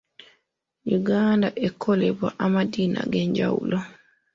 Uganda ekolebwa amadiini ag'enjawulo.